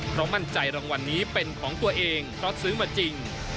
เพราะมั่นใจรางวัลนี้เป็นของตัวเองเพราะซื้อมาจริง